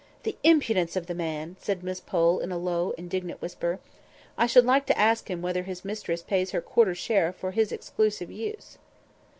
"The impudence of the man!" said Miss Pole, in a low indignant whisper. "I should like to ask him whether his mistress pays her quarter share for his exclusive use."